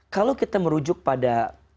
kalau kita merujuk pada